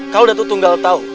kalau datu tunggal tahu